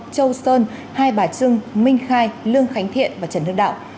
châu sơn hai bà trưng minh khai lương khánh thiện và trần hưng đạo